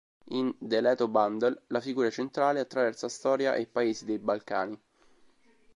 In ‘The Leto Bundle' la figura centrale attraversa storia e paesi dei Balcani.